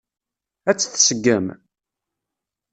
Ad tt-tseggem?